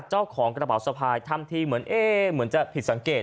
เจ้าของกระเป๋าสะพายทำทีเหมือนเอ๊ะเหมือนจะผิดสังเกต